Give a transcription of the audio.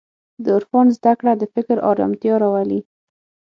د عرفان زدهکړه د فکر ارامتیا راولي.